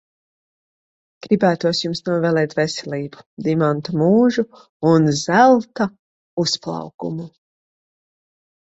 Gribētos jums novēlēt veselību, dimanta mūžu un zelta uzplaukumu.